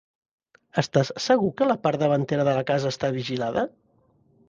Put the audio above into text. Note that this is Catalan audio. Estàs segur que la part davantera de la casa està vigilada?